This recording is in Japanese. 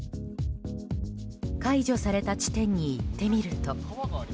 解除された地点に行ってみると。